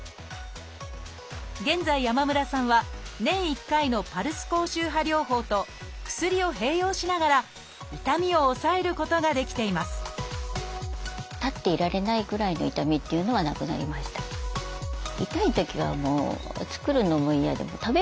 現在山村さんは年１回のパルス高周波療法と薬を併用しながら痛みを抑えることができていますよかったですね。